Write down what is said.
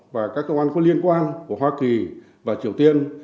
và các cơ quan có liên quan của hoa kỳ và triều tiên